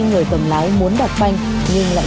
người tầm lái muốn đặt banh nhưng lại